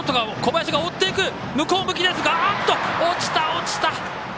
落ちた、落ちた。